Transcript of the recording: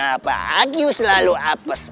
kenapa aku selalu apes